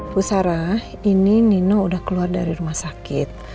pusarah ini nino udah keluar dari rumah sakit